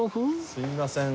すいません。